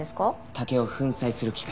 竹を粉砕する機械。